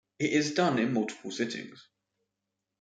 It is done in multiple sittings.